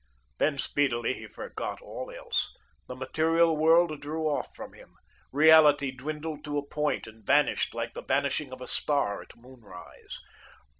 Then speedily he forgot all else. The material world drew off from him. Reality dwindled to a point and vanished like the vanishing of a star at moonrise.